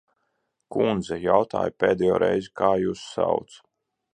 Kundze, jautāju pēdējo reizi, kā jūs sauc?